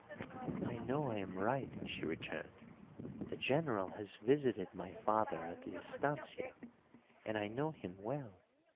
"I know I am right," she returned. "The General has visited my father at the estancia and I know him well.